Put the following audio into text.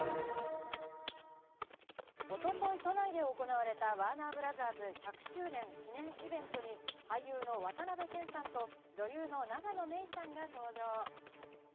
一昨日、都内で行われた、ワーナー・ブラザーズ１００周年記念イベントに俳優の渡辺謙さんと、女優の永野芽郁さんが登場。